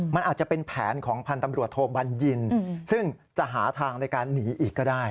มันอาจจะเป็นแผนของพันธ์ตำรวจโทบัญญินซึ่งจะหาทางในการหนีอีกก็ได้